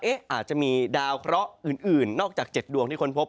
อาจจะมีดาวเคราะห์อื่นนอกจาก๗ดวงที่ค้นพบ